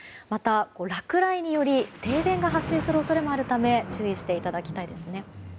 また、落雷により停電が発生する恐れもあるため注意していただきたいですね。